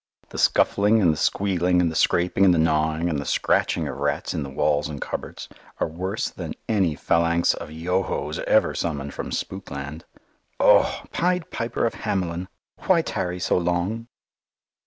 The scuffling and the squealing and the scraping and the gnawing and the scratching of rats in the walls and cupboards are worse than any phalanx of "Yohos" ever summoned from spookland! Oh! Pied Piper of Hamelin, why tarry so long!